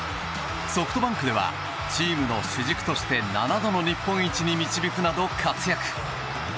ソフトバンクではチームの主軸として７度の日本一に導くなど活躍。